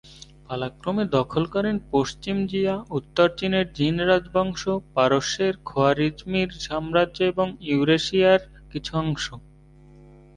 পালাক্রমে দখল করেন পশ্চিম জিয়া, উত্তর চীনের জিন রাজবংশ, পারস্যের খোয়ারিজমীয় সম্রাজ্য এবং ইউরেশিয়ার কিছু অংশ।